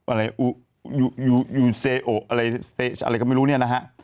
อะไรยูเซโออะไรก็ไม่รู้เนี่ยนะฮะ